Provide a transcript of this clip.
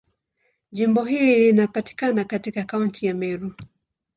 Jimbo hili linapatikana katika Kaunti ya Meru.